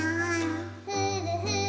「ふるふる」